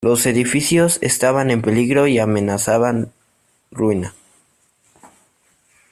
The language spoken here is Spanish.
Los edificios estaban en peligro y amenazaban ruina.